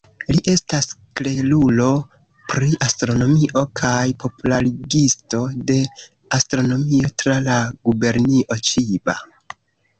Li estas klerulo pri astronomio kaj popularigisto de astronomio tra la gubernio Ĉiba.